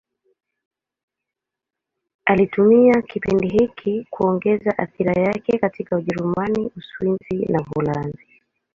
Alitumia kipindi hiki kuongeza athira yake katika Ujerumani, Uswisi na Uholanzi.